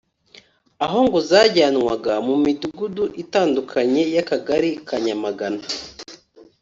aho ngo zajyanwaga mu midugudu itandukanye y’Akagari ka Nyamagana